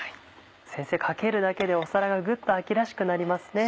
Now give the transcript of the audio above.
先生かけるだけで皿がぐっと秋らしくなりますね。